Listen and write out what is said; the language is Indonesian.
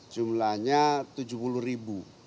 jumlahnya tujuh puluh ribu